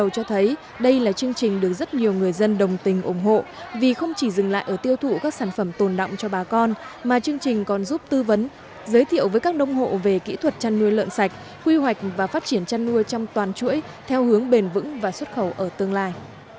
điều trình được rất nhiều người dân đồng tình ủng hộ vì không chỉ dừng lại ở tiêu thụ các sản phẩm tồn động cho bà con mà chương trình còn giúp tư vấn giới thiệu với các nông hộ về kỹ thuật chăn nuôi lợn sạch quy hoạch và phát triển chăn nuôi trong toàn chuỗi theo hướng bền vững và xuất khẩu ở tương lai